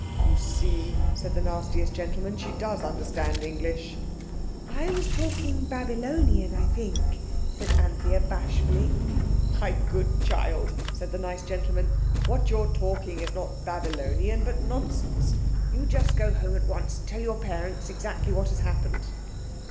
"You see," said the nastiest gentleman, "she does understand English." "I was talking Babylonian, I think," said Anthea bashfully. "My good child," said the nice gentleman, "what you're talking is not Babylonian, but nonsense. You just go home at once, and tell your parents exactly what has happened."